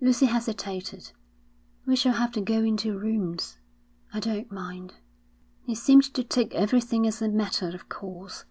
Lucy hesitated. 'We shall have to go into rooms.' 'I don't mind.' He seemed to take everything as a matter of course.